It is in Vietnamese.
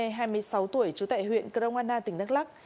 y thương nghê hai mươi sáu tuổi trú tại huyện cronoana tỉnh đắk lóc